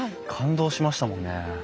感動しましたもんね。